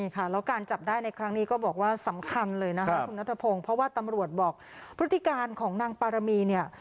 ค่ะแล้วการจับได้ในครั้งนี้ก็บอกว่าสำคัญเลยนะคะคุณนัทพงศ์เพราะว่าตำรวจบอกพฤติการของนางปารมีเนี่ย